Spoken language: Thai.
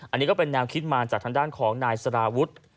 อันนี้ก็เป็นแนวคิดมาจากธรรมดาของนายสราวุทธ์